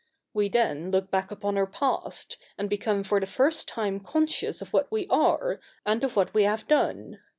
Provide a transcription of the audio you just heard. We then look back upon our past, and become for the first time conscious of what we are, and of what we have done.